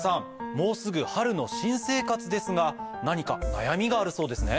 もうすぐ春の新生活ですが何か悩みがあるそうですね。